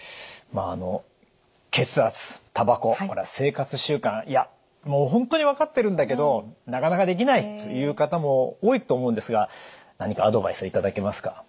まああの血圧タバコ生活習慣いやもう本当に分かってるんだけどなかなかできないという方も多いと思うんですが何かアドバイスを頂けますか？